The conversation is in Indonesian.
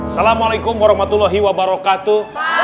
salamualaikum warahmatullahi wabarakatuh